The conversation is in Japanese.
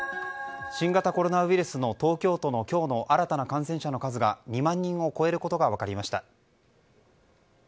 新型コロナウイルスの東京都の今日の新たな感染者の数が２万人を超えることが分かりました。